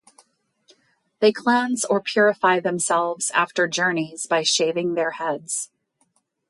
They cleanse or purify themselves after journeys by shaving their heads.